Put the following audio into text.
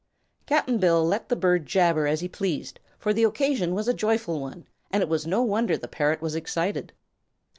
Cap'n Bill let the bird jabber as he pleased, for the occasion was a joyful one and it was no wonder the parrot was excited.